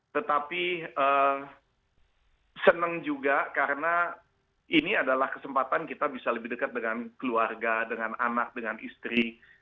tetapi senang juga karena ini adalah kesempatan kita bisa lebih dekat dengan keluarga dengan anak dengan istri